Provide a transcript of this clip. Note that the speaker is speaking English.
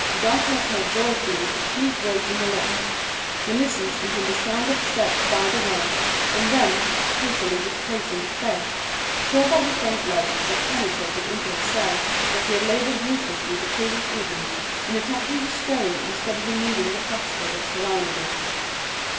Dantès heard joyfully the key grate in the lock; he listened until the sound of steps died away, and then, hastily displacing his bed, saw by the faint light that penetrated into his cell, that he had labored uselessly the previous evening in attacking the stone instead of removing the plaster that surrounded it.